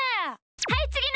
はいつぎの